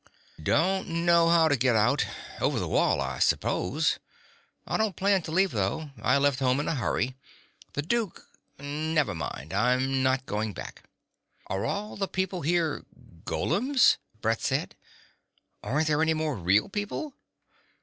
"Don't know how to get out; over the wall, I suppose. I don't plan to leave though. I left home in a hurry. The Duke never mind. I'm not going back." "Are all the people here ... golems?" Brett said. "Aren't there any more real people?"